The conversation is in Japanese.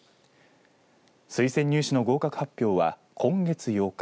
推薦入試の合格発表は今月８日。